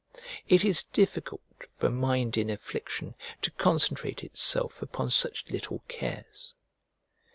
It is difficult for a mind in affliction to concentrate itself upon such little cares.